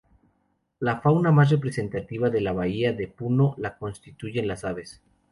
La fauna más representativa de la bahía de Puno la constituyen las aves.